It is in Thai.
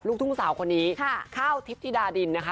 ลูกทุ่งสาวคนนี้ข้าวทิพย์ธิดาดินนะคะ